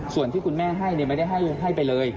ส่วนที่คุณแม่ให้ไม่ได้ให้ไปเลย